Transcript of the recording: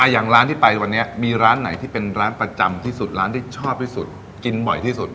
อย่างร้านที่ไปวันนี้มีร้านไหนที่เป็นร้านประจำที่สุดร้านที่ชอบที่สุดกินบ่อยที่สุด